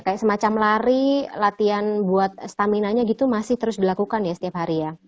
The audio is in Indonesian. kayak semacam lari latihan buat stamina nya gitu masih terus dilakukan ya setiap hari ya